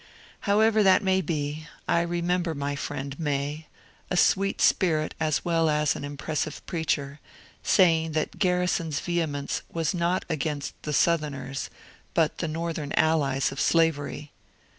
However that may be, I remember my friend May — a sweet spirit as well as an impressive preacher — saying that Gar rison's vehemence was not against the Southerners, but the Northern allies of slavery.